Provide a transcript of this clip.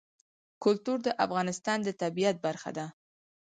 کلتور د افغانستان د طبیعت برخه ده.